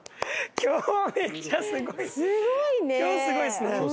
今日すごいですね！